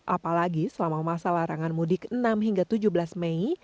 apalagi selama masa larangan mudik enam hingga tujuh belas mei